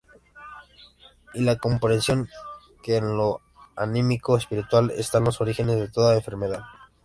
Y la comprensión que en lo anímico-espiritual están los orígenes de toda enfermedad.